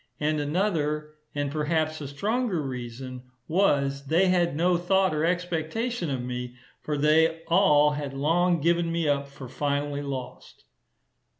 And another, and perhaps a stronger reason was, they had no thought or expectation of me, for they all had long given me up for finally lost.